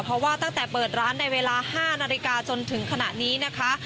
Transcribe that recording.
เพราะว่าตั้งแต่เปิดร้านในเวลา๕นาฬิกาจนถึงขณะนี้นะคะ